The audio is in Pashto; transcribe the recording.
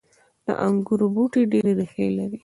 • د انګورو بوټي ډیرې ریښې لري.